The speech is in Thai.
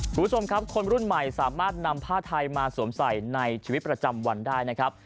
คุณผู้ชมครับคนรุ่นใหม่สามารถนำผ้าไทยมาสวมใส่ในชีวิตประจำวันได้นะครับ